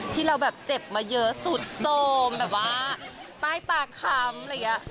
ที่เราแบบเจ็บมาเยอะสุดโทรมแบบว่าใต้ตาค้ำอะไรอย่างนี้